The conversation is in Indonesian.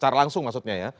secara langsung maksudnya ya